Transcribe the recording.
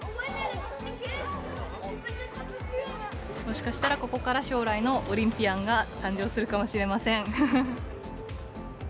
もしかしたら、ここから将来のオリンピアンが誕生するかもしれません。